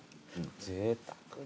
ぜいたく。